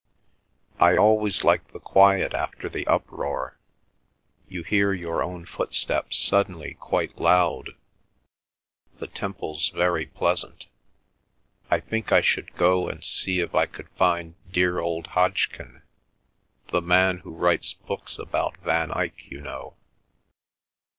I always like the quiet after the uproar. You hear your own footsteps suddenly quite loud. The Temple's very pleasant. I think I should go and see if I could find dear old Hodgkin—the man who writes books about Van Eyck, you know.